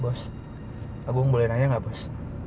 bos aku boleh nanya gak bos